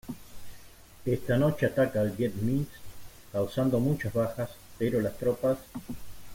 Esa noche ataca el Viet Minh causando muchas bajas; pero las tropas coloniales resisten.